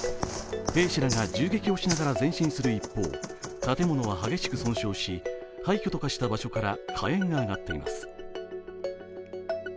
兵士らが銃撃をしながら前進する一方、建物は激しく損傷し、廃虚と化した場所から火炎が上がっています。